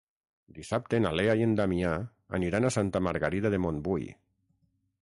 Dissabte na Lea i en Damià aniran a Santa Margarida de Montbui.